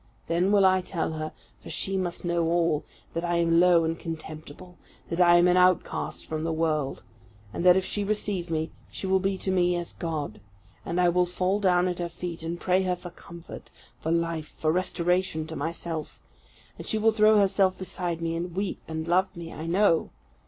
Then will I tell her, for she must know all, that I am low and contemptible; that I am an outcast from the world, and that if she receive me, she will be to me as God. And I will fall down at her feet and pray her for comfort, for life, for restoration to myself; and she will throw herself beside me, and weep and love me, I know.